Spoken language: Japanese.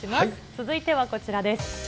続いてはこちらです。